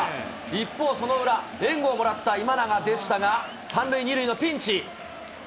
一方、その裏、援護をもらった今永でしたが、３塁２塁のピンチ。